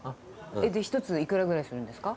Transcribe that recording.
１ついくらぐらいするんですか？